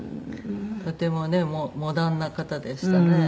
とてもねモダンな方でしたね。